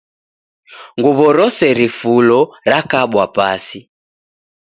Nguwo rose rifulo rakabwa pasi